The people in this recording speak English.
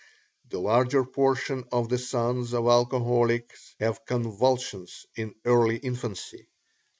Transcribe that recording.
The larger portion of the sons of alcoholics have convulsions in early infancy.